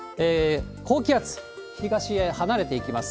高気圧、東へ離れていきます。